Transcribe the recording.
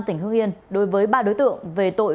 tỉnh hưng yên đối với ba đối tượng về tội